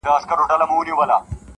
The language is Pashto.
ته پر ګرځه د باران حاجت یې نسته-